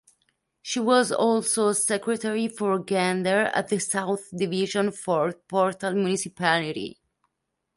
She was also Secretary for Gender at the South Division Fort Portal Municipality.